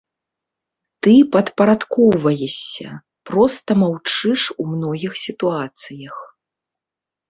Ты падпарадкоўваешся, проста маўчыш у многіх сітуацыях.